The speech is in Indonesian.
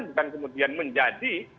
bukan kemudian menjadi